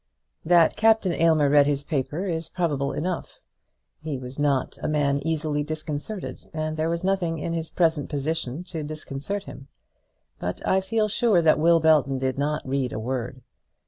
That Captain Aylmer read his paper is probable enough. He was not a man easily disconcerted, and there was nothing in his present position to disconcert him. But I feel sure that Will Belton did not read a word.